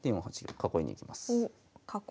囲いに行きます。